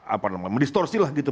apa namanya mendistorsilah gitu